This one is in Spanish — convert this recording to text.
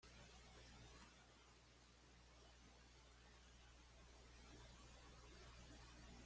Se incluyeron por primera vez la y el como deportes olímpicos.